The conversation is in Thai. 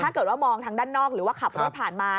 ถ้าเกิดว่ามองทางด้านนอกหรือว่าขับรถผ่านมา